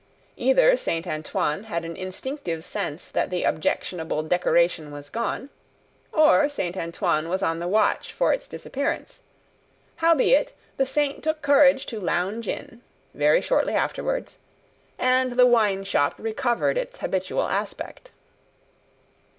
Either Saint Antoine had an instinctive sense that the objectionable decoration was gone, or Saint Antoine was on the watch for its disappearance; howbeit, the Saint took courage to lounge in, very shortly afterwards, and the wine shop recovered its habitual aspect.